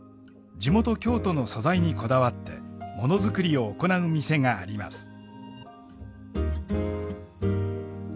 地元京都の素材にこだわってモノづくりを行う店があります。